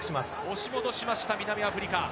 押し戻しました、南アフリカ。